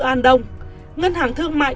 an đông ngân hàng thương mại